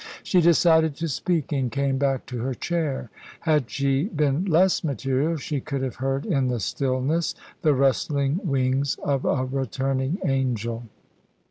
She decided to speak, and came back to her chair. Had she been less material, she could have heard in the stillness the rustling wings of a returning angel.